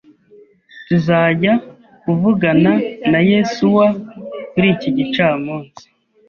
Tuzajya kuvugana na Yesuwa kuri iki gicamunsi.